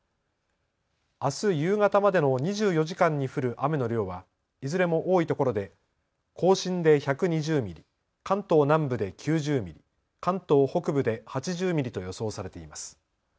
あす夕方までの２４時間に降る雨の量はいずれも多いところで甲信で１２０ミリ、関東南部で９０ミリ、関東北部で８０ミリと予想されています。